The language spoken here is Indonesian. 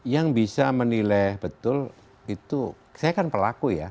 yang bisa menilai betul itu saya kan pelaku ya